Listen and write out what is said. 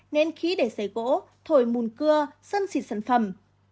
nến khí để xấy gỗ thổi mùn cưa sân xịt sản phẩm